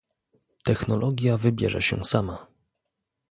Technologia wybierze się sama